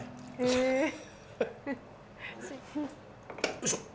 よいしょ。